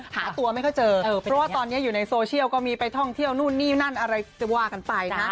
หาตัวไม่ค่อยเจอเพราะว่าตอนนี้อยู่ในโซเชียลก็มีไปท่องเที่ยวนู่นนี่นั่นอะไรจะว่ากันไปนะ